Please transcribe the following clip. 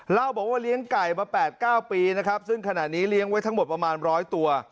เล่าบอกว่าเลี้ยงไก่มา๘๙ปีนะครับซึ่งขณะนี้เลี้ยงไว้ทั้งหมดประมาณร้อยตัว